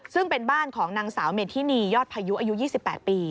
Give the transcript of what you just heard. ซึ่งเป็นบ้านของนางสาวเมธินียอดพายุอายุ๒๘ปี